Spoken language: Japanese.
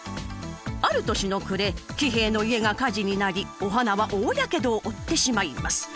ある年の暮れ喜兵衛の家が火事になりお花は大やけどを負ってしまいます。